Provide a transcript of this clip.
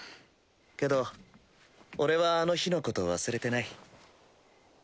けど俺はあの日のこと忘れてない。